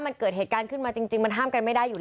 มันเกิดเหตุการณ์ขึ้นมาจริงมันห้ามกันไม่ได้อยู่แล้ว